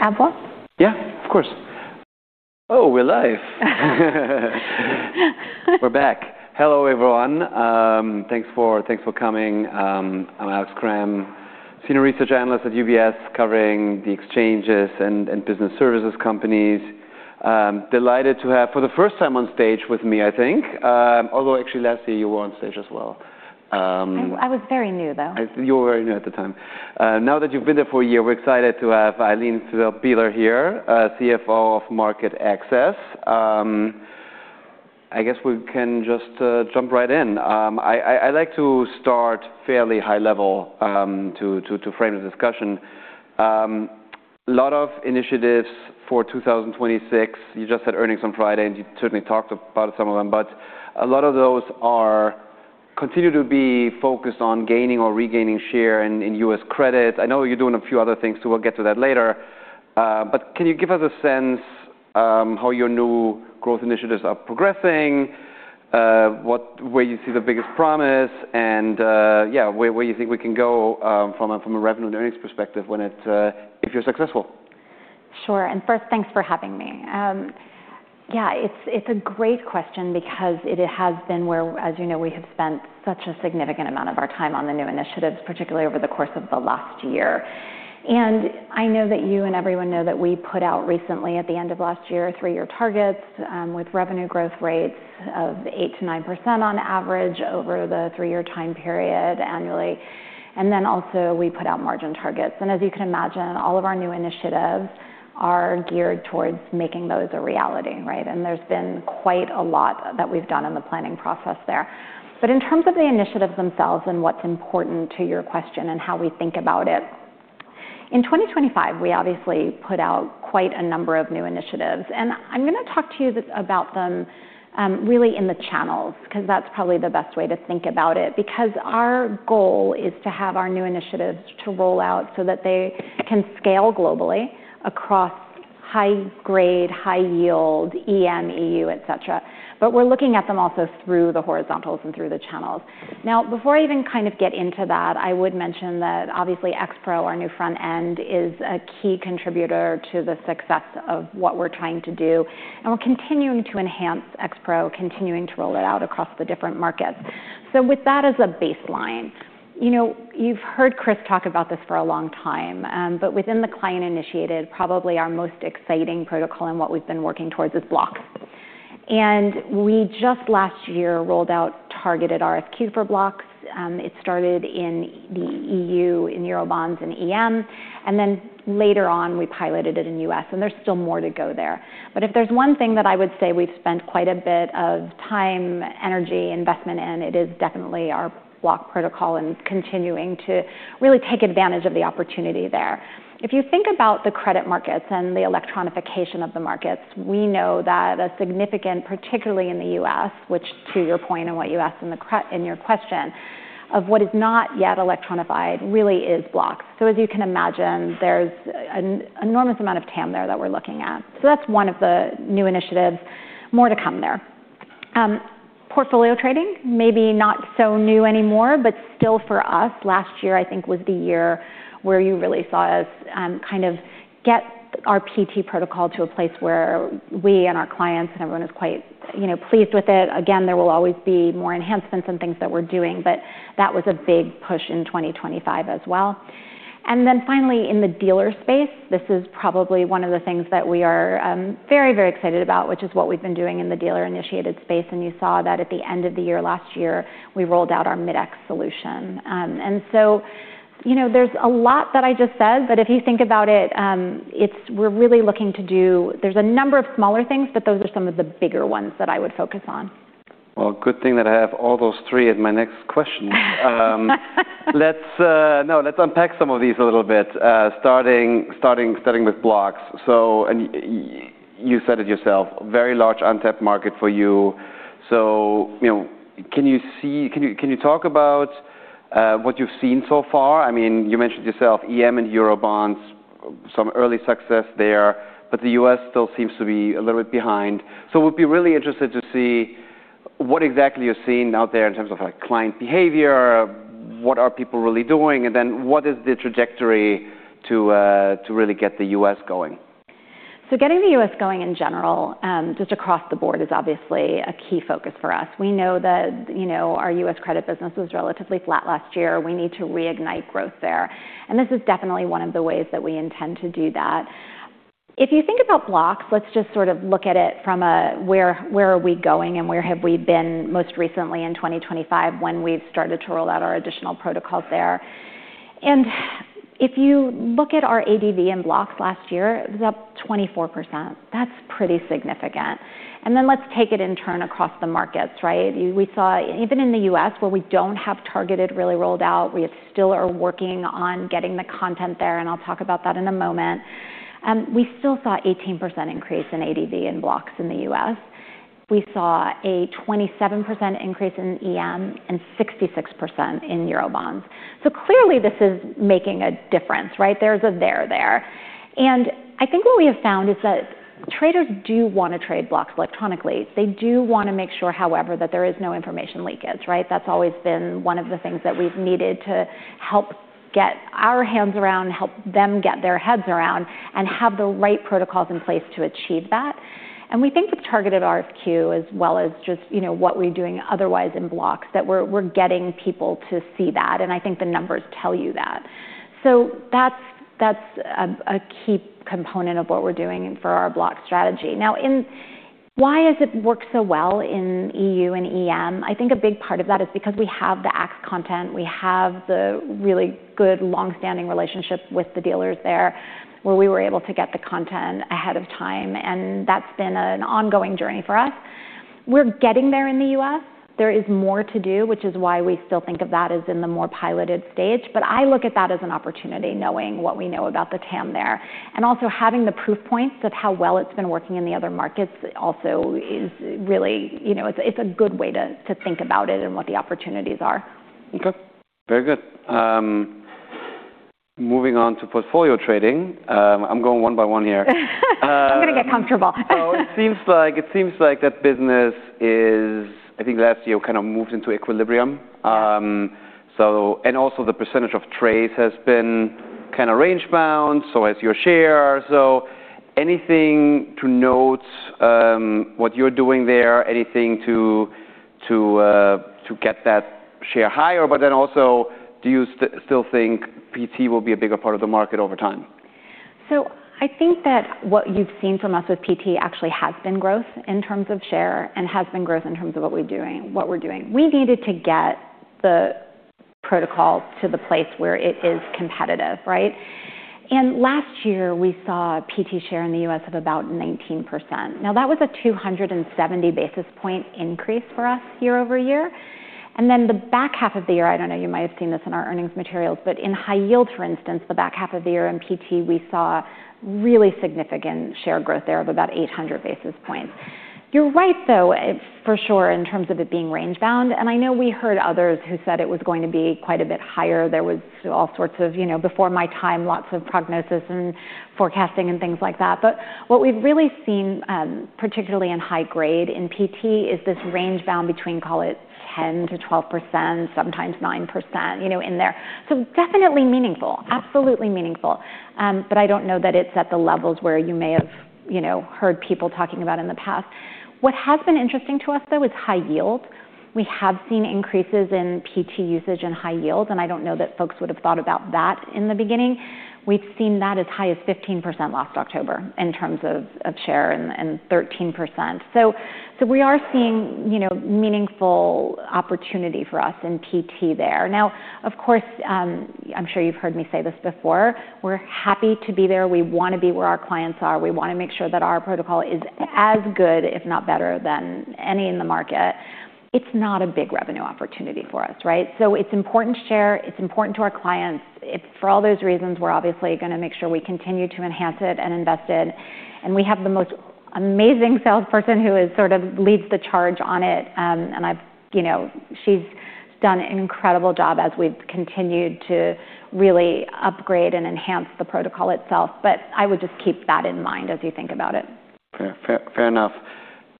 Eric. About? Yeah, of course. Oh, we're live. We're back. Hello everyone, thanks for, thanks for coming. I'm Alex Kramm, Senior Research Analyst at UBS, covering the exchanges and, and business services companies. Delighted to have for the first time on stage with me, I think, although actually last year you were on stage as well. I was very new, though. You were very new at the time. Now that you've been there for a year, we're excited to have Ilene Fiszel Bieler here, CFO of MarketAxess. I guess we can just jump right in. I like to start fairly high-level, to frame the discussion. A lot of initiatives for 2026. You just said earnings on Friday, and you certainly talked about some of them. But a lot of those continue to be focused on gaining or regaining share in U.S. credit. I know you're doing a few other things too. We'll get to that later. But can you give us a sense how your new growth initiatives are progressing, what, where you see the biggest promise, and, yeah, where you think we can go, from a revenue and earnings perspective when it, if you're successful? Sure. First, thanks for having me. Yeah, it's a great question because it has been where, as you know, we have spent such a significant amount of our time on the new initiatives, particularly over the course of the last year. And I know that you and everyone know that we put out recently, at the end of last year, three-year targets, with revenue growth rates of 8%-9% on average over the three-year time period annually. And then also, we put out margin targets. And as you can imagine, all of our new initiatives are geared towards making those a reality, right? And there's been quite a lot that we've done in the planning process there. But in terms of the initiatives themselves and what's important to your question and how we think about it, in 2025, we obviously put out quite a number of new initiatives. I'm gonna talk to you about them, really in the channels, 'cause that's probably the best way to think about it. Because our goal is to have our new initiatives roll out so that they can scale globally across high-grade, high-yield EM, E.U., etc. But we're looking at them also through the horizontals and through the channels. Now, before I even kind of get into that, I would mention that, obviously, X-Pro, our new front end, is a key contributor to the success of what we're trying to do. And we're continuing to enhance X-Pro, continuing to roll it out across the different markets. So with that as a baseline, you know, you've heard Chris talk about this for a long time, but within the client-initiated, probably our most exciting protocol in what we've been working towards is blocks. We just last year rolled out Targeted RFQ for blocks. It started in the E.U., in Eurobonds, in EM. Then later on, we piloted it in the U.S. And there's still more to go there. But if there's one thing that I would say we've spent quite a bit of time, energy, investment in, it is definitely our blocks protocol and continuing to really take advantage of the opportunity there. If you think about the credit markets and the electronification of the markets, we know that a significant, particularly in the U.S., which, to your point, and what you asked in the credit in your question, of what is not yet electronified really is blocks. So as you can imagine, there's an enormous amount of TAM there that we're looking at. So that's one of the new initiatives. More to come there. Portfolio trading, maybe not so new anymore, but still for us, last year, I think, was the year where you really saw us, kind of get our PT protocol to a place where we and our clients and everyone is quite, you know, pleased with it. Again, there will always be more enhancements and things that we're doing, but that was a big push in 2025 as well. And then finally, in the dealer space, this is probably one of the things that we are, very, very excited about, which is what we've been doing in the dealer-initiated space. And you saw that at the end of the year last year. We rolled out our Mid-X solution. And so, you know, there's a lot that I just said, but if you think about it, it's we're really looking to do there's a number of smaller things, but those are some of the bigger ones that I would focus on. Well, good thing that I have all those three at my next question. Let's, no, let's unpack some of these a little bit, starting with blocks. So and you said it yourself, very large untapped market for you. So, you know, can you talk about what you've seen so far? I mean, you mentioned yourself EM and Eurobonds, some early success there, but the U.S. still seems to be a little bit behind. So we'd be really interested to see what exactly you're seeing out there in terms of, like, client behavior, what are people really doing, and then what is the trajectory to really get the U.S. going? So getting the U.S. going in general, just across the board is obviously a key focus for us. We know that, you know, our U.S. credit business was relatively flat last year. We need to reignite growth there. And this is definitely one of the ways that we intend to do that. If you think about blocks, let's just sort of look at it from a where—where are we going, and where have we been most recently in 2025 when we've started to roll out our additional protocols there? And if you look at our ADV in blocks last year, it was up 24%. That's pretty significant. And then let's take it in turn across the markets, right? We saw even in the U.S., where we don't have Targeted RFQ really rolled out, we still are working on getting the content there, and I'll talk about that in a moment, we still saw an 18% increase in ADV in blocks in the U.S. We saw a 27% increase in EM and 66% in Eurobonds. So clearly, this is making a difference, right? There's a there there. And I think what we have found is that traders do wanna trade blocks electronically. They do wanna make sure, however, that there is no information leakage, right? That's always been one of the things that we've needed to help get our hands around, help them get their heads around, and have the right protocols in place to achieve that. We think with Targeted RFQ as well as just, you know, what we're doing otherwise in blocks, that we're getting people to see that. I think the numbers tell you that. That's a key component of what we're doing for our Block strategy. Now, in why has it worked so well in E.U. and EM? I think a big part of that is because we have the axe content. We have the really good, longstanding relationship with the dealers there, where we were able to get the content ahead of time. That's been an ongoing journey for us. We're getting there in the U.S. There is more to do, which is why we still think of that as in the more piloted stage. I look at that as an opportunity, knowing what we know about the TAM there. Also, having the proof points of how well it's been working in the other markets also is really you know, it's a good way to think about it and what the opportunities are. Okay. Very good. Moving on to portfolio trading. I'm going one by one here. I'm gonna get comfortable. So it seems like that business is, I think, last year kind of moved into equilibrium. And also, the percentage of trades has been kind of range-bound, so has your share. So anything to note, what you're doing there, anything to get that share higher? But then also, do you still think PT will be a bigger part of the market over time? So I think that what you've seen from us with PT actually has been growth in terms of share and has been growth in terms of what we're doing. We needed to get the protocol to the place where it is competitive, right? And last year, we saw PT share in the US of about 19%. Now, that was a 270 basis point increase for us year-over-year. And then the back half of the year I don't know. You might have seen this in our earnings materials. But in high-yield, for instance, the back half of the year in PT, we saw really significant share growth there of about 800 basis points. You're right, though, for sure, in terms of it being range-bound. And I know we heard others who said it was going to be quite a bit higher. There was all sorts of, you know, before my time, lots of prognosis and forecasting and things like that. But what we've really seen, particularly in high-grade in PT, is this range-bound between, call it, 10%-12%, sometimes 9%, you know, in there. So definitely meaningful. Absolutely meaningful. But I don't know that it's at the levels where you may have, you know, heard people talking about in the past. What has been interesting to us, though, is high-yield. We have seen increases in PT usage in high-yield. And I don't know that folks would have thought about that in the beginning. We've seen that as high as 15% last October in terms of share and 13%. So—so we are seeing, you know, meaningful opportunity for us in PT there. Now, of course, I'm sure you've heard me say this before. We're happy to be there. We wanna be where our clients are. We wanna make sure that our protocol is as good, if not better, than any in the market. It's not a big revenue opportunity for us, right? So it's important share. It's important to our clients. For all those reasons, we're obviously gonna make sure we continue to enhance it and invest in it. And we have the most amazing salesperson who sort of leads the charge on it. And I, you know, she's done an incredible job as we've continued to really upgrade and enhance the protocol itself. But I would just keep that in mind as you think about it. Fair enough.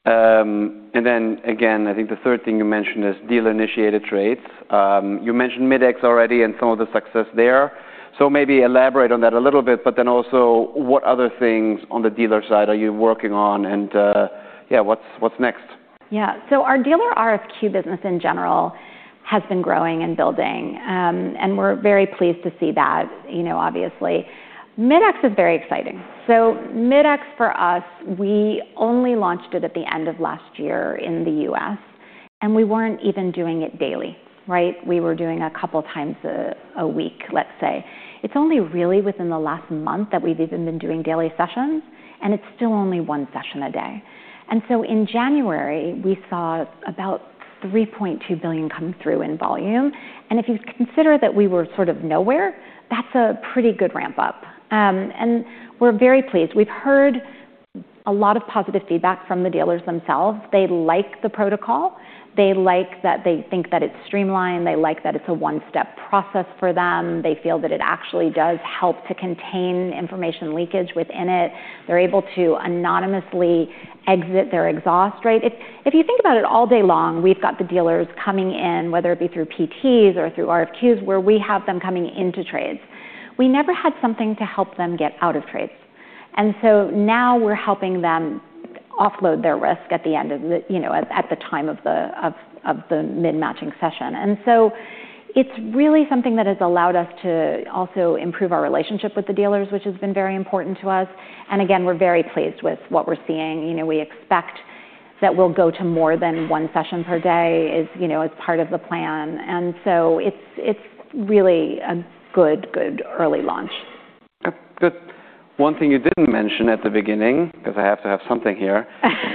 And then again, I think the third thing you mentioned is dealer-initiated trades. You mentioned Mid-X already and some of the success there. So maybe elaborate on that a little bit, but then also, what other things on the dealer side are you working on? And, yeah, what's next? Yeah. So our dealer RFQ business in general has been growing and building. And we're very pleased to see that, you know, obviously. Mid-X is very exciting. So Mid-X, for us, we only launched it at the end of last year in the U.S. And we weren't even doing it daily, right? We were doing a couple times a week, let's say. It's only really within the last month that we've even been doing daily sessions. And it's still only one session a day. And so in January, we saw about $3.2 billion come through in volume. And if you consider that we were sort of nowhere, that's a pretty good ramp-up. And we're very pleased. We've heard a lot of positive feedback from the dealers themselves. They like the protocol. They like that they think that it's streamlined. They like that it's a one-step process for them. They feel that it actually does help to contain information leakage within it. They're able to anonymously exit their exposure, right? If you think about it all day long, we've got the dealers coming in, whether it be through PTs or through RFQs, where we have them coming into trades. We never had something to help them get out of trades. And so now, we're helping them offload their risk at the end of the, you know, at the time of the mid-matching session. And so it's really something that has allowed us to also improve our relationship with the dealers, which has been very important to us. And again, we're very pleased with what we're seeing. You know, we expect that we'll go to more than one session per day, you know, is part of the plan. And so it's, it's really a good, good early launch. Okay. Good. One thing you didn't mention at the beginning 'cause I have to have something here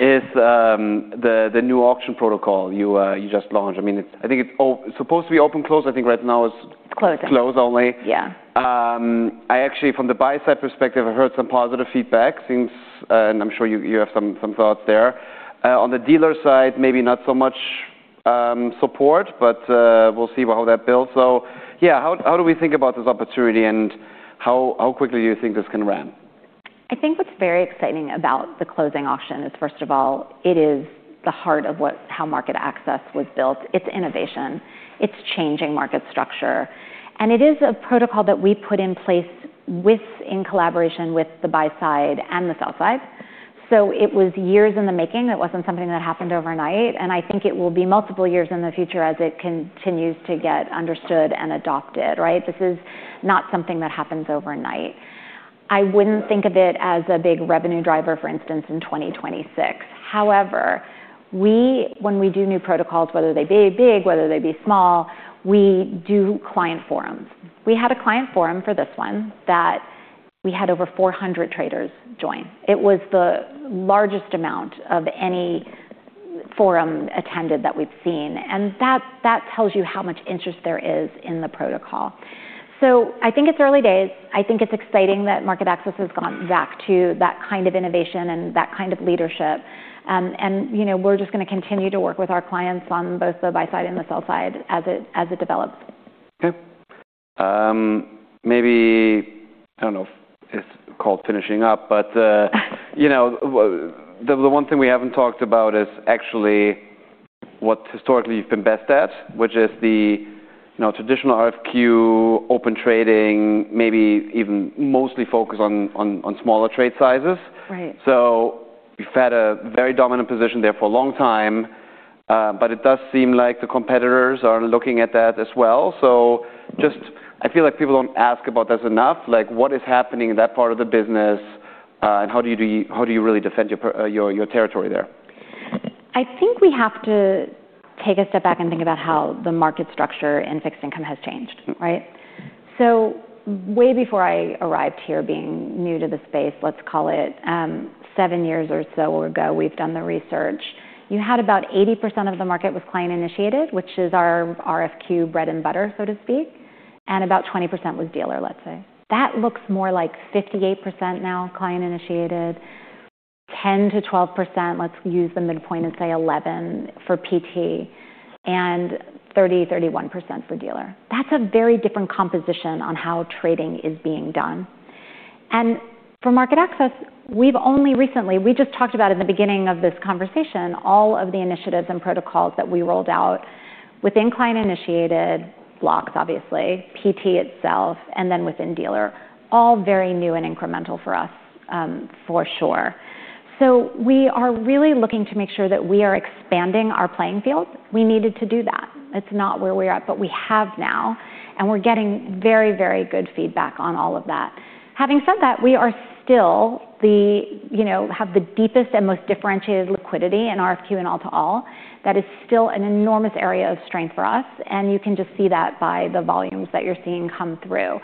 is, the new auction protocol you just launched. I mean, it's, I think it's supposed to be Open-Close. I think right now it's. It's closing. Close only. Yeah. I actually, from the buy-side perspective, I heard some positive feedback. Seems and I'm sure you have some thoughts there. On the dealer side, maybe not so much support, but we'll see how that builds. So yeah, how do we think about this opportunity? And how quickly do you think this can run? I think what's very exciting about the closing auction is, first of all, it is the heart of what, how MarketAxess was built. It's innovation. It's changing market structure. And it is a protocol that we put in place within collaboration with the buy-side and the sell-side. So it was years in the making. It wasn't something that happened overnight. And I think it will be multiple years in the future as it continues to get understood and adopted, right? This is not something that happens overnight. I wouldn't think of it as a big revenue driver, for instance, in 2026. However, when we do new protocols, whether they be big, whether they be small, we do client forums. We had a client forum for this one that we had over 400 traders join. It was the largest amount of any forum attended that we've seen. That tells you how much interest there is in the protocol. I think it's early days. I think it's exciting that MarketAxess has gone back to that kind of innovation and that kind of leadership. You know, we're just gonna continue to work with our clients on both the buy-side and the sell-side as it develops. Okay. Maybe I don't know if it's called finishing up, but, you know, the one thing we haven't talked about is actually what historically you've been best at, which is the, you know, traditional RFQ, Open Trading, maybe even mostly focus on smaller trade sizes. Right. So you've had a very dominant position there for a long time. But it does seem like the competitors are looking at that as well. So just I feel like people don't ask about this enough. Like, what is happening in that part of the business? And how do you really defend your territory there? I think we have to take a step back and think about how the market structure in fixed income has changed, right? So way before I arrived here, being new to the space, let's call it, seven years or so ago, we've done the research. You had about 80% of the market was client-initiated, which is our RFQ bread and butter, so to speak. And about 20% was dealer, let's say. That looks more like 58% now client-initiated, 10%-12% let's use the midpoint and say 11 for PT, and 30%-31% for dealer. That's a very different composition on how trading is being done. And for MarketAxess, we've only recently we just talked about in the beginning of this conversation all of the initiatives and protocols that we rolled out within client-initiated, blocks, obviously, PT itself, and then within dealer, all very new and incremental for us, for sure. So we are really looking to make sure that we are expanding our playing field. We needed to do that. It's not where we're at, but we have now. And we're getting very, very good feedback on all of that. Having said that, we are still the, you know, have the deepest and most differentiated liquidity in RFQ and all-to-all. That is still an enormous area of strength for us. And you can just see that by the volumes that you're seeing come through.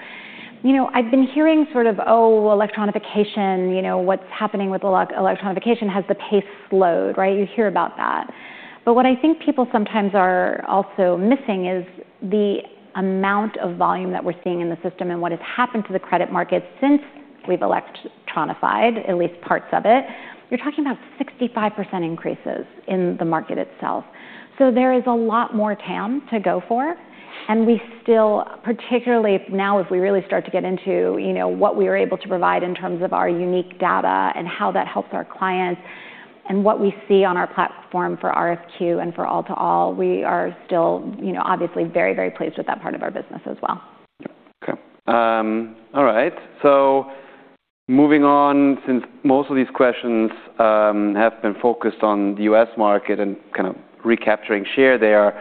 You know, I've been hearing sort of, "Oh, electronification, you know, what's happening with electronification has the pace slowed," right? You hear about that. But what I think people sometimes are also missing is the amount of volume that we're seeing in the system and what has happened to the credit market since we've electronified, at least parts of it. You're talking about 65% increases in the market itself. So there is a lot more TAM to go for. And we still particularly now, if we really start to get into, you know, what we are able to provide in terms of our unique data and how that helps our clients and what we see on our platform for RFQ and for all-to-all, we are still, you know, obviously very, very pleased with that part of our business as well. Okay. All right. So moving on since most of these questions have been focused on the U.S. market and kind of recapturing share there.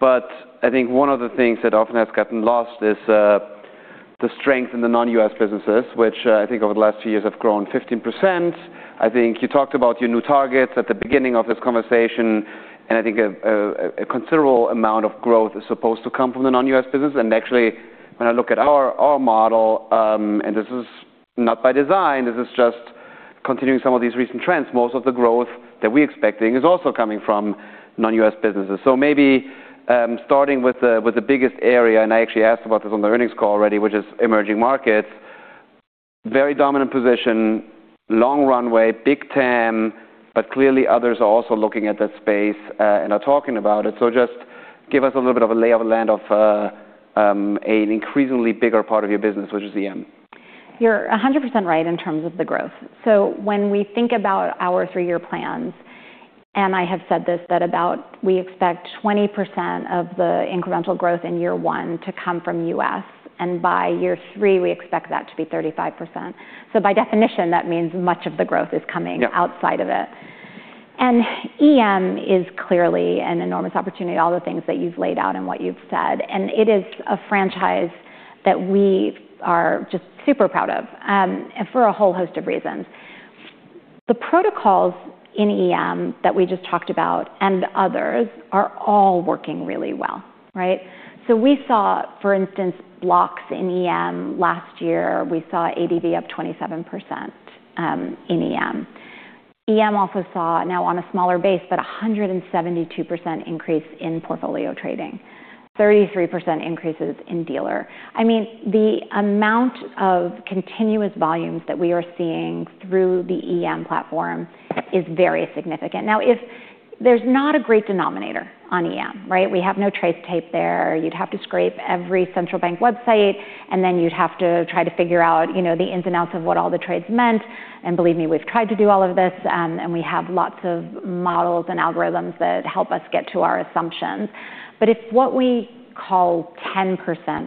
But I think one of the things that often has gotten lost is the strength in the non-U.S. businesses, which I think over the last few years have grown 15%. I think you talked about your new targets at the beginning of this conversation. And I think a considerable amount of growth is supposed to come from the non-U.S. business. And actually, when I look at our model, and this is not by design. This is just continuing some of these recent trends. Most of the growth that we're expecting is also coming from non-U.S. businesses. So maybe, starting with the biggest area and I actually asked about this on the earnings call already, which is Emerging Markets, very dominant position, long runway, big TAM, but clearly, others are also looking at that space, and are talking about it. So just give us a little bit of a lay of the land of, an increasingly bigger part of your business, which is EM. You're 100% right in terms of the growth. So when we think about our three-year plans and I have said this that about we expect 20% of the incremental growth in year one to come from U.S. And by year three, we expect that to be 35%. So by definition, that means much of the growth is coming outside of it. And EM is clearly an enormous opportunity, all the things that you've laid out and what you've said. And it is a franchise that we are just super proud of, for a whole host of reasons. The protocols in EM that we just talked about and others are all working really well, right? So we saw, for instance, blocks in EM last year, we saw ADV up 27%, in EM. EM also saw now on a smaller base, but 172% increase in portfolio trading, 33% increases in dealer. I mean, the amount of continuous volumes that we are seeing through the EM platform is very significant. Now, if there's not a great denominator on EM, right? We have no TRACE tape there. You'd have to scrape every central bank website. And then you'd have to try to figure out, you know, the ins and outs of what all the trades meant. And believe me, we've tried to do all of this. We have lots of models and algorithms that help us get to our assumptions. But if what we call 10%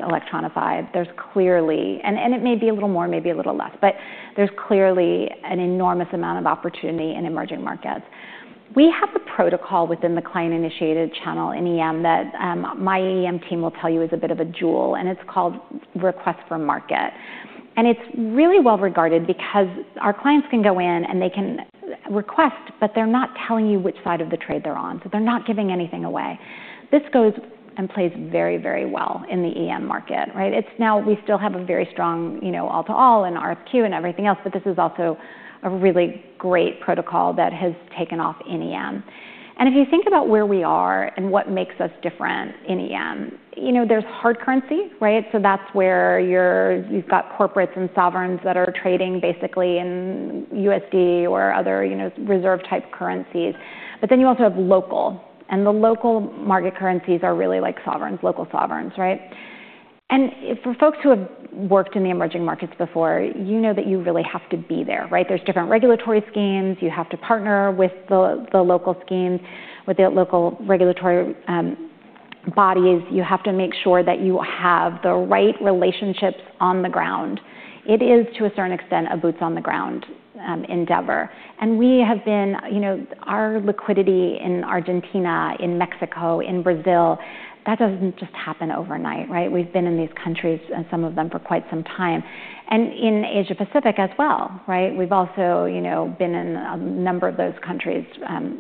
electronified, there's clearly, and it may be a little more, maybe a little less. But there's clearly an enormous amount of opportunity in emerging markets. We have a protocol within the client-initiated channel in EM that, my EM team will tell you is a bit of a jewel. And it's called Request for Market. And it's really well-regarded because our clients can go in, and they can request, but they're not telling you which side of the trade they're on. So they're not giving anything away. This goes and plays very, very well in the EM market, right? It's now we still have a very strong, you know, all-to-all and RFQ and everything else. But this is also a really great protocol that has taken off in EM. And if you think about where we are and what makes us different in EM, you know, there's hard currency, right? So that's where you've got corporates and sovereigns that are trading basically in USD or other, you know, reserve-type currencies. But then you also have local. And the local market currencies are really like sovereigns, local sovereigns, right? And for folks who have worked in the Emerging Markets before, you know that you really have to be there, right? There's different regulatory schemes. You have to partner with the local schemes, with the local regulatory, bodies. You have to make sure that you have the right relationships on the ground. It is, to a certain extent, a boots-on-the-ground, endeavor. And we have been you know, our liquidity in Argentina, in Mexico, in Brazil, that doesn't just happen overnight, right? We've been in these countries, some of them, for quite some time. And in Asia-Pacific as well, right? We've also, you know, been in a number of those countries,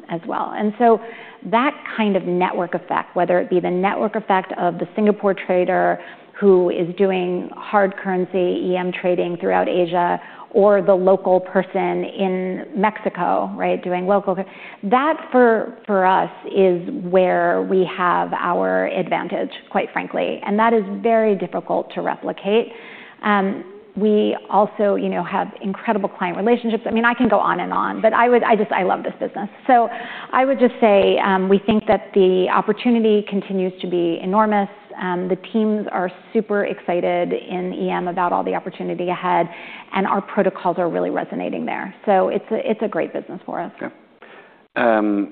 as well. And so that kind of network effect, whether it be the network effect of the Singapore trader who is doing hard currency, EM trading throughout Asia, or the local person in Mexico, right, doing local that, for, for us, is where we have our advantage, quite frankly. That is very difficult to replicate. We also, you know, have incredible client relationships. I mean, I can go on and on. But I would, I just, I love this business. So I would just say, we think that the opportunity continues to be enormous. The teams are super excited in EM about all the opportunity ahead. And our protocols are really resonating there. So it's a, it's a great business for us. Okay.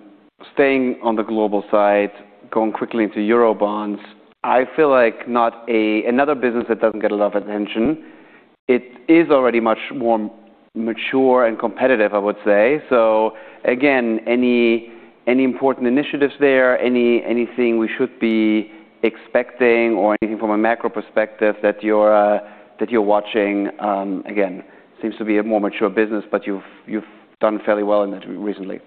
Staying on the global side, going quickly into Eurobonds, I feel like not another business that doesn't get a lot of attention. It is already much more mature and competitive, I would say. So again, any important initiatives there, anything we should be expecting or anything from a macro perspective that you're watching, again, seems to be a more mature business, but you've done fairly well in it recently.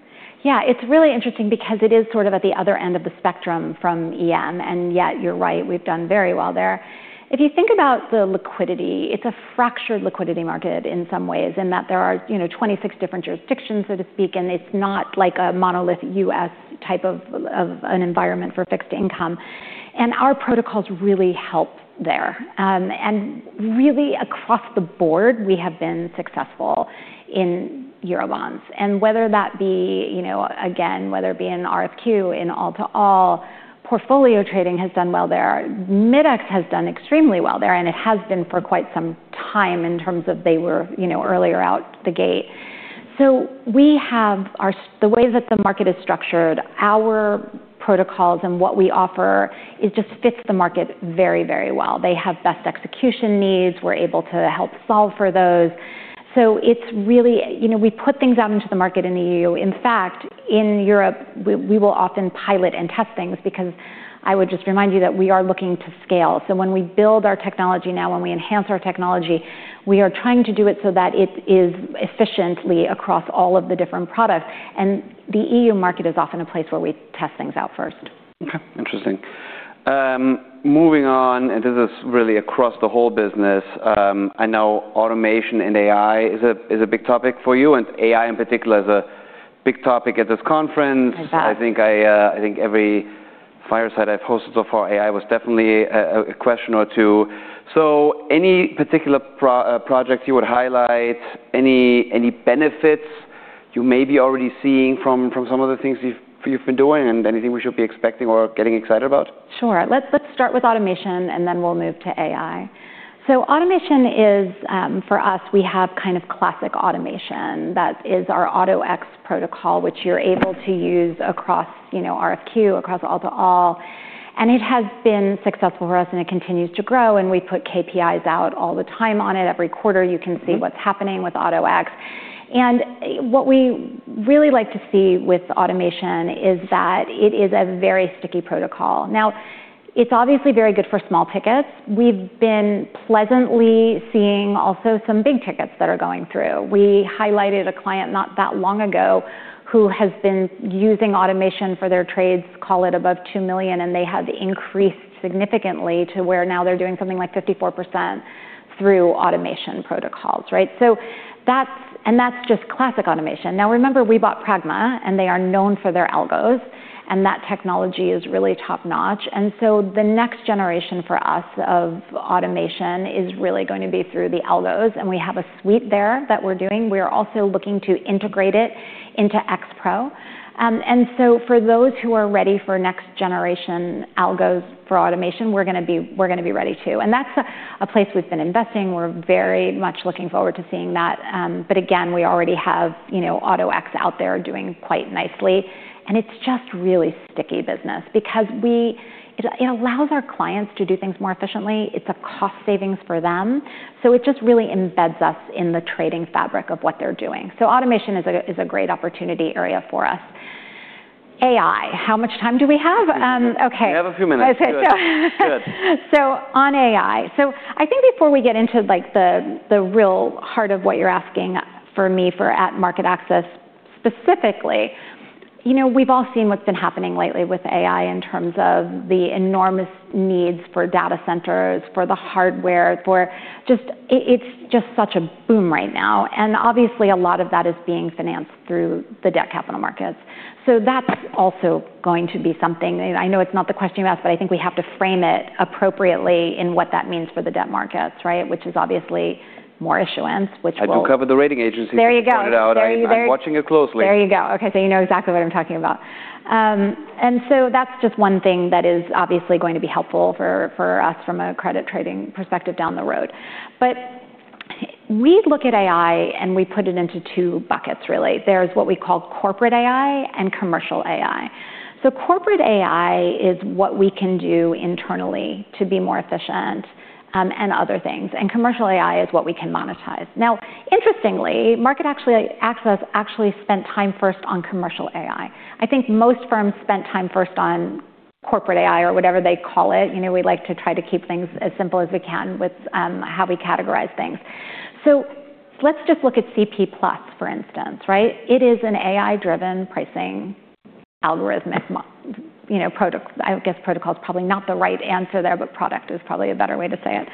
Yeah. It's really interesting because it is sort of at the other end of the spectrum from EM. And yet, you're right. We've done very well there. If you think about the liquidity, it's a fractured liquidity market in some ways in that there are, you know, 26 different jurisdictions, so to speak. And it's not like a monolith US type of an environment for fixed income. And our protocols really help there. And really, across the board, we have been successful in Eurobonds. And whether that be, you know, again, whether it be an RFQ in all-to-all, portfolio trading has done well there. Mid-X has done extremely well there. And it has been for quite some time in terms of they were, you know, earlier out the gate. So we have how the way that the market is structured, our protocols and what we offer it just fits the market very, very well. They have best execution needs. We're able to help solve for those. So it's really, you know, we put things out into the market in the E.U. In fact, in Europe, we will often pilot and test things because I would just remind you that we are looking to scale. So when we build our technology now, when we enhance our technology, we are trying to do it so that it is efficient across all of the different products. And the E.U. market is often a place where we test things out first. Okay. Interesting. Moving on, and this is really across the whole business. I know automation and AI is a big topic for you. AI in particular is a big topic at this conference. I bet. I think every fireside I've hosted so far, AI was definitely a question or two. So any particular AI project you would highlight, any benefits you may be already seeing from some of the things you've been doing and anything we should be expecting or getting excited about? Sure. Let's start with automation. Then we'll move to AI. So automation is, for us, we have kind of classic automation. That is our Auto-X protocol, which you're able to use across, you know, RFQ, across all-to-all. And it has been successful for us. And it continues to grow. And we put KPIs out all the time on it. Every quarter, you can see what's happening with Auto-X. And what we really like to see with automation is that it is a very sticky protocol. Now, it's obviously very good for small tickets. We've been pleasantly seeing also some big tickets that are going through. We highlighted a client not that long ago who has been using automation for their trades, call it above $2 million. And they have increased significantly to where now they're doing something like 54% through automation protocols, right? So that's just classic automation. Now, remember, we bought Pragma. And they are known for their algos. And that technology is really top-notch. And so the next generation for us of automation is really going to be through the algos. And we have a suite there that we're doing. We are also looking to integrate it into X-Pro. And so for those who are ready for next-generation algos for automation, we're going to be ready too. And that's a place we've been investing. We're very much looking forward to seeing that. But again, we already have, you know, Auto-X out there doing quite nicely. And it's just really sticky business because it allows our clients to do things more efficiently. It's a cost savings for them. So it just really embeds us in the trading fabric of what they're doing. So automation is a great opportunity area for us. AI, how much time do we have? Okay. We have a few minutes. Okay. So. Good. So on AI, so I think before we get into, like, the real heart of what you're asking for me for at MarketAxess specifically, you know, we've all seen what's been happening lately with AI in terms of the enormous needs for data centers, for the hardware, for just it's just such a boom right now. And obviously, a lot of that is being financed through the debt capital markets. So that's also going to be something I know it's not the question you asked. But I think we have to frame it appropriately in what that means for the debt markets, right, which is obviously more issuance, which will. I do cover the rating agencies. There you go. Pointed out. I'm watching it closely. There you go. Okay. So you know exactly what I'm talking about. And so that's just one thing that is obviously going to be helpful for us from a credit trading perspective down the road. But we look at AI. We put it into two buckets, really. There's what we call corporate AI and commercial AI. So corporate AI is what we can do internally to be more efficient, and other things. Commercial AI is what we can monetize. Now, interestingly, MarketAxess actually spent time first on commercial AI. I think most firms spent time first on corporate AI or whatever they call it. You know, we like to try to keep things as simple as we can with how we categorize things. So let's just look at CP+, for instance, right? It is an AI-driven pricing algorithmic, you know, protocol. I guess protocol is probably not the right answer there. But product is probably a better way to say it.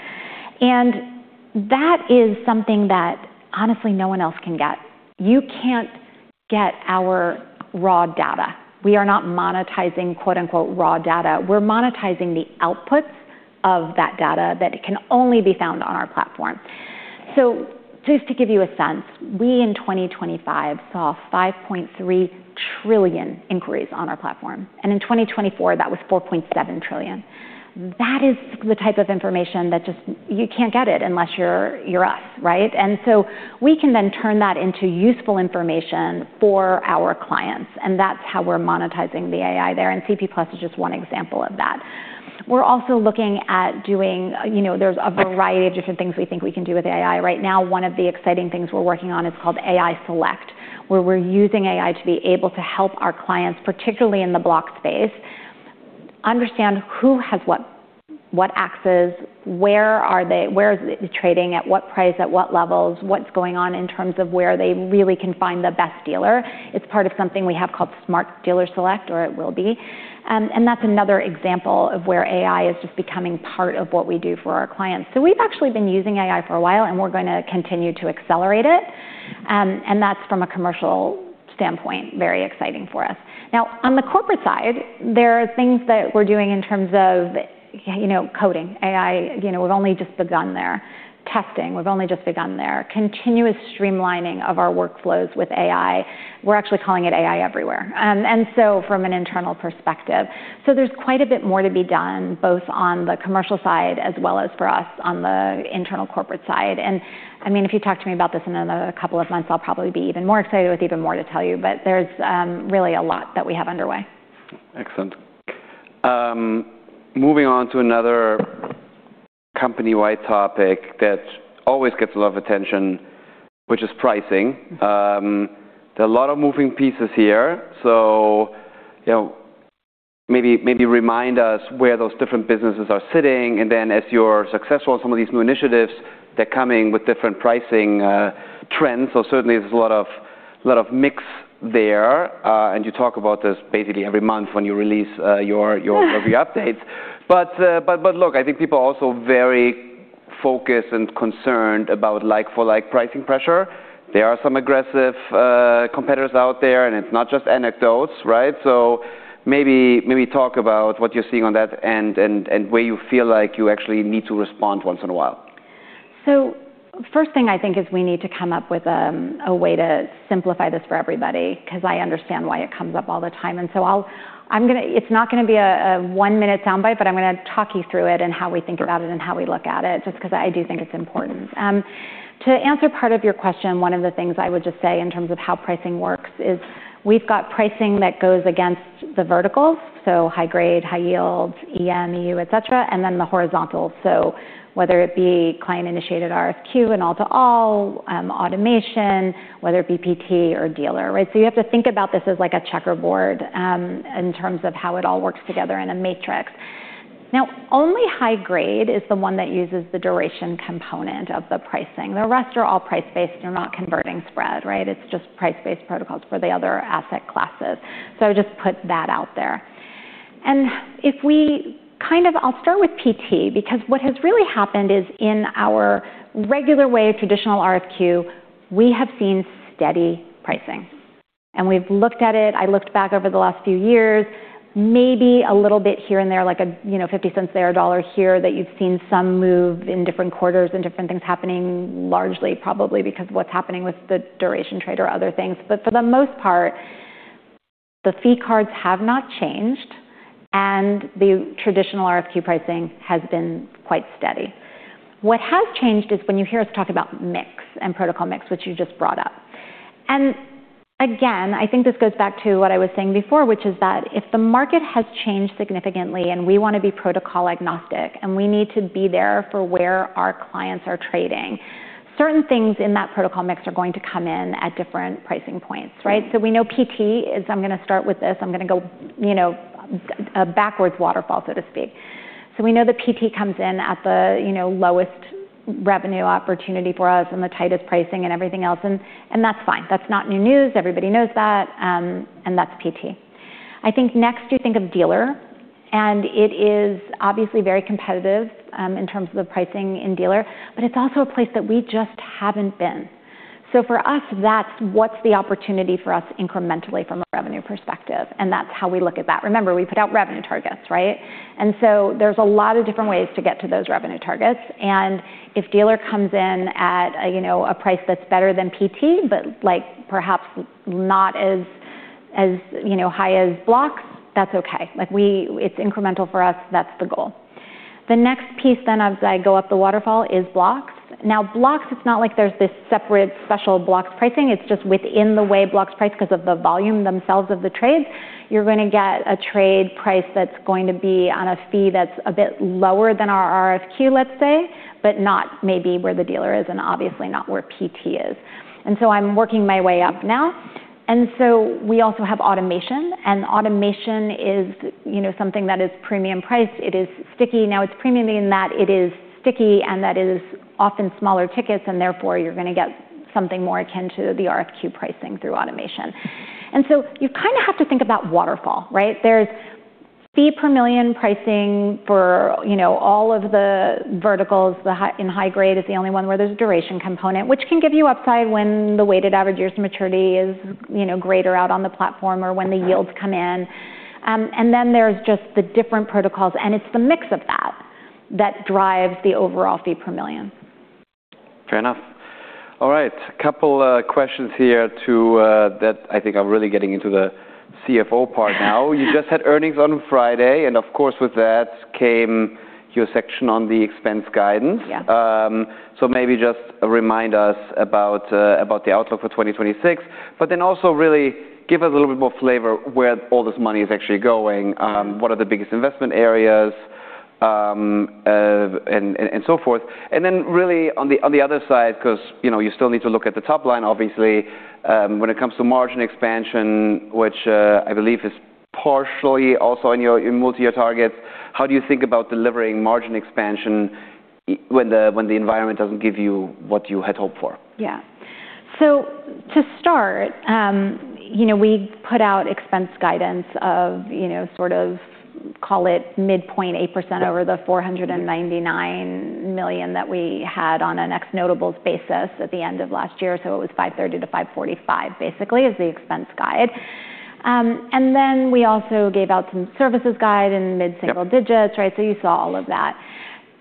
And that is something that, honestly, no one else can get. You can't get our raw data. We are not monetizing, quote-unquote, "raw data." We're monetizing the outputs of that data that can only be found on our platform. So just to give you a sense, we in 2025 saw 5.3 trillion inquiries on our platform. And in 2024, that was 4.7 trillion. That is the type of information that just you can't get it unless you're us, right? And so we can then turn that into useful information for our clients. And that's how we're monetizing the AI there. And CP+ is just one example of that. We're also looking at doing you know, there's a variety of different things we think we can do with AI. Right now, one of the exciting things we're working on is called AI Select, where we're using AI to be able to help our clients, particularly in the block space, understand who has what what access, where are they where is the trading, at what price, at what levels, what's going on in terms of where they really can find the best dealer. It's part of something we have called Smart Dealer Select, or it will be. That's another example of where AI is just becoming part of what we do for our clients. So we've actually been using AI for a while. And we're going to continue to accelerate it. That's from a commercial standpoint very exciting for us. Now, on the corporate side, there are things that we're doing in terms of, you know, coding AI, you know, we've only just begun there. Testing, we've only just begun there. Continuous streamlining of our workflows with AI. We're actually calling it AI everywhere, and so from an internal perspective. So there's quite a bit more to be done both on the commercial side as well as for us on the internal corporate side. And I mean, if you talk to me about this in another couple of months, I'll probably be even more excited with even more to tell you. But there's really a lot that we have underway. Excellent. Moving on to another company-wide topic that always gets a lot of attention, which is pricing. There are a lot of moving pieces here. So, you know, maybe maybe remind us where those different businesses are sitting. And then as you're successful in some of these new initiatives, they're coming with different pricing trends. So certainly, there's a lot of a lot of mix there. And you talk about this basically every month when you release your your every updates. But, but, but look, I think people are also very focused and concerned about like-for-like pricing pressure. There are some aggressive competitors out there. And it's not just anecdotes, right? So maybe maybe talk about what you're seeing on that end and and where you feel like you actually need to respond once in a while. So, first thing I think is we need to come up with a way to simplify this for everybody because I understand why it comes up all the time. I'm going to. It's not going to be a one-minute soundbite. But I'm going to talk you through it and how we think about it and how we look at it just because I do think it's important. To answer part of your question, one of the things I would just say in terms of how pricing works is we've got pricing that goes against the verticals, so high-grade, high-yield, EM, E.U., et cetera, and then the horizontals. So whether it be client-initiated RFQ in all-to-all, automation, whether it be PT or dealer, right? So you have to think about this as like a checkerboard, in terms of how it all works together in a matrix. Now, only high-grade is the one that uses the duration component of the pricing. The rest are all price-based. They're not converting spread, right? It's just price-based protocols for the other asset classes. So I would just put that out there. And if we kind of, I'll start with PT because what has really happened is in our regular way of traditional RFQ, we have seen steady pricing. And we've looked at it. I looked back over the last few years, maybe a little bit here and there, like a, you know, $0.50 there, $1 here, that you've seen some move in different quarters and different things happening largely, probably because of what's happening with the duration trade or other things. But for the most part, the fee cards have not changed. The traditional RFQ pricing has been quite steady. What has changed is when you hear us talk about mix and protocol mix, which you just brought up. Again, I think this goes back to what I was saying before, which is that if the market has changed significantly and we want to be protocol-agnostic and we need to be there for where our clients are trading, certain things in that protocol mix are going to come in at different pricing points, right? So we know PT is, I'm going to start with this. I'm going to go, you know, a backwards waterfall, so to speak. So we know that PT comes in at the, you know, lowest revenue opportunity for us and the tightest pricing and everything else. And that's fine. That's not new news. Everybody knows that. And that's PT. I think next, you think of dealer. And it is obviously very competitive, in terms of the pricing in dealer. But it's also a place that we just haven't been. So for us, that's what's the opportunity for us incrementally from a revenue perspective. And that's how we look at that. Remember, we put out revenue targets, right? And so there's a lot of different ways to get to those revenue targets. And if dealer comes in at a, you know, a price that's better than PT but, like, perhaps not as, you know, high as blocks, that's okay. Like, we it's incremental for us. That's the goal. The next piece then as I go up the waterfall is blocks. Now, blocks, it's not like there's this separate special blocks pricing. It's just within the way blocks price because of the volume themselves of the trades, you're going to get a trade price that's going to be on a fee that's a bit lower than our RFQ, let's say, but not maybe where the dealer is and obviously not where PT is. And so I'm working my way up now. And so we also have automation. And automation is, you know, something that is premium priced. It is sticky. Now, it's premium in that it is sticky. And that is often smaller tickets. And therefore, you're going to get something more akin to the RFQ pricing through automation. And so you kind of have to think about waterfall, right? There's fee per million pricing for, you know, all of the verticals. The high in high grade is the only one where there's a duration component, which can give you upside when the weighted average years of maturity is, you know, greater out on the platform or when the yields come in. And then there's just the different protocols. And it's the mix of that that drives the overall fee per million. Fair enough. All right. Couple questions here too that I think I'm really getting into the CFO part now. You just had earnings on Friday. And of course, with that came your section on the expense guidance. Yeah. So maybe just remind us about the outlook for 2026 but then also really give us a little bit more flavor where all this money is actually going. What are the biggest investment areas, and so forth? And then really on the other side because, you know, you still need to look at the top line, obviously, when it comes to margin expansion, which, I believe is partially also in your multi-year targets, how do you think about delivering margin expansion when the environment doesn't give you what you had hoped for? Yeah. So to start, you know, we put out expense guidance of, you know, sort of call it midpoint, 8% over the $499 million that we had on an ex-notables basis at the end of last year. So it was $530-$545 basically is the expense guide. And then we also gave out some services guide in mid-single digits, right? So you saw all of that.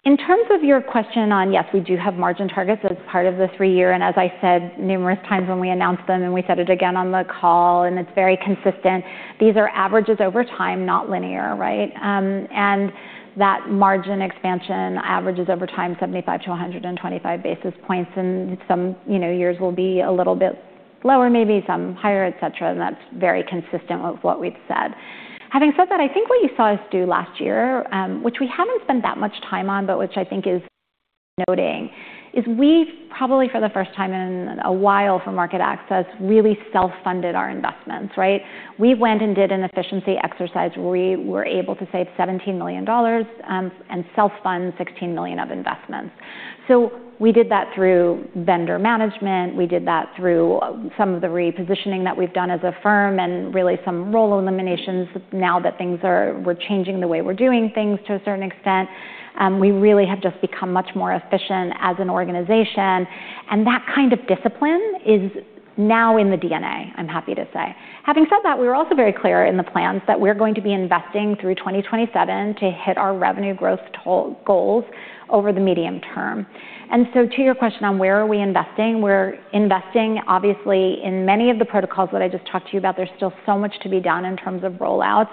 In terms of your question on, yes, we do have margin targets as part of the three-year. And as I said numerous times when we announced them and we said it again on the call, and it's very consistent, these are averages over time, not linear, right? And that margin expansion averages over time 75-125 basis points. And some, you know, years will be a little bit lower, maybe some higher, et cetera. And that's very consistent with what we've said. Having said that, I think what you saw us do last year, which we haven't spent that much time on but which I think is noting, is we've probably for the first time in a while for MarketAxess really self-funded our investments, right? We went and did an efficiency exercise where we were able to save $17 million, and self-fund $16 million of investments. So we did that through vendor management. We did that through some of the repositioning that we've done as a firm and really some role eliminations now that things are we're changing the way we're doing things to a certain extent. We really have just become much more efficient as an organization. And that kind of discipline is now in the DNA, I'm happy to say. Having said that, we were also very clear in the plans that we're going to be investing through 2027 to hit our revenue growth toll goals over the medium term. So to your question on where are we investing, we're investing, obviously, in many of the protocols that I just talked to you about. There's still so much to be done in terms of rollouts.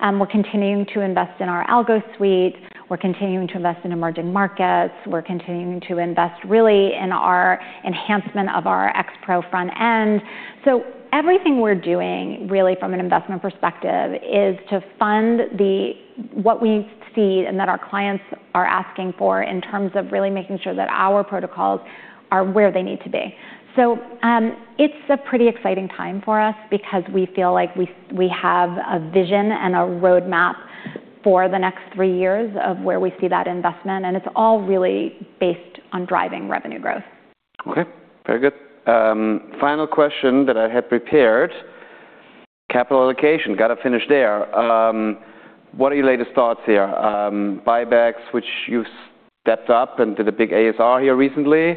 We're continuing to invest in our algo suite. We're continuing to invest in emerging markets. We're continuing to invest really in our enhancement of our X-Pro front end. So everything we're doing really from an investment perspective is to fund the what we see and that our clients are asking for in terms of really making sure that our protocols are where they need to be. It's a pretty exciting time for us because we feel like we have a vision and a roadmap for the next three years of where we see that investment. It's all really based on driving revenue growth. Okay. Very good. Final question that I had prepared. Capital allocation, got to finish there. What are your latest thoughts here? Buybacks, which you've stepped up and did a big ASR here recently.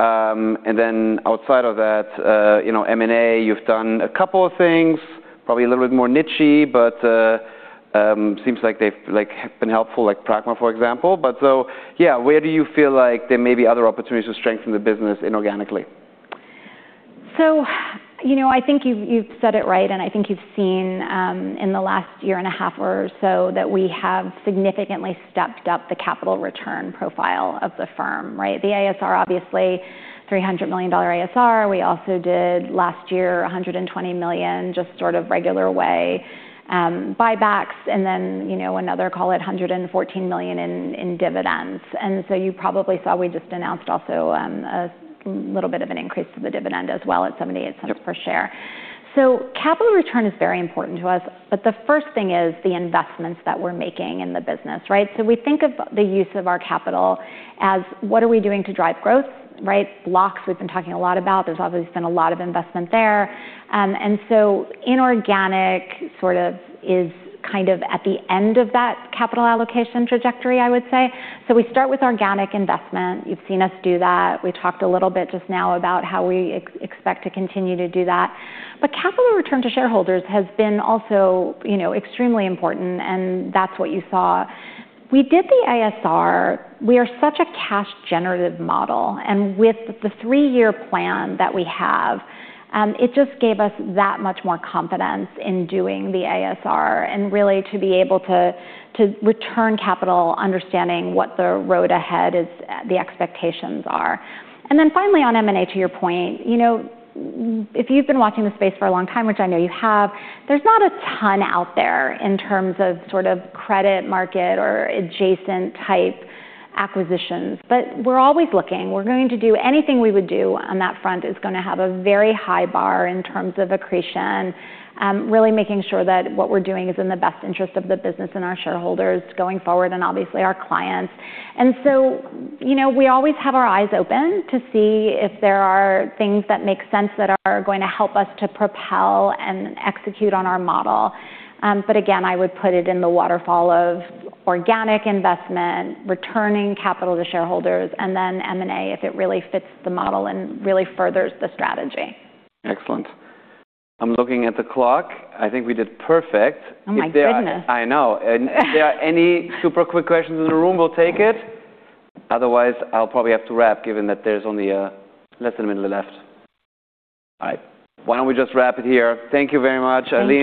And then outside of that, you know, M&A, you've done a couple of things, probably a little bit more niche. But seems like they've like have been helpful, like Pragma, for example. But so yeah, where do you feel like there may be other opportunities to strengthen the business inorganically? So, you know, I think you've said it right. And I think you've seen, in the last year and a half or so, that we have significantly stepped up the capital return profile of the firm, right? The ASR, obviously, $300 million ASR. We also did last year $120 million just sort of regular way buybacks. And then, you know, another call it $114 million in dividends. And so you probably saw we just announced also a little bit of an increase to the dividend as well at $0.78 per share. So capital return is very important to us. But the first thing is the investments that we're making in the business, right? So we think of the use of our capital as what are we doing to drive growth, right? blocks, we've been talking a lot about. There's obviously been a lot of investment there. And so inorganic sort of is kind of at the end of that capital allocation trajectory, I would say. So we start with organic investment. You've seen us do that. We talked a little bit just now about how we expect to continue to do that. But capital return to shareholders has been also, you know, extremely important. And that's what you saw. We did the ASR. We are such a cash-generative model. And with the three-year plan that we have, it just gave us that much more confidence in doing the ASR and really to be able to to return capital understanding what the road ahead is, the expectations are. And then finally, on M&A, to your point, you know, if you've been watching this space for a long time, which I know you have, there's not a ton out there in terms of sort of credit market or adjacent type acquisitions. But we're always looking. We're going to do anything we would do on that front is going to have a very high bar in terms of accretion, really making sure that what we're doing is in the best interest of the business and our shareholders going forward and obviously our clients. And so, you know, we always have our eyes open to see if there are things that make sense that are going to help us to propel and execute on our model. But again, I would put it in the waterfall of organic investment, returning capital to shareholders, and then M&A if it really fits the model and really furthers the strategy. Excellent. I'm looking at the clock. I think we did perfect. Oh my goodness. I know. And if there are any super quick questions in the room, we'll take it. Otherwise, I'll probably have to wrap given that there's only, less than a minute left. All right. Why don't we just wrap it here? Thank you very much, Ilene.